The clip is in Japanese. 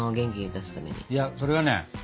いやそれはね